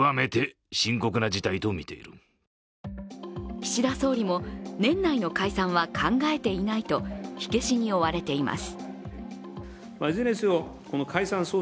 岸田総理も、年内の解散は考えていないと火消しに追われています。